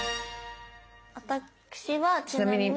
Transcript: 私はちなみに。